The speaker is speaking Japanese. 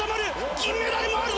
金メダルもあるぞ！